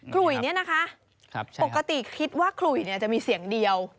ลุยเนี่ยนะคะปกติคิดว่าขลุยจะมีเสียงเดียว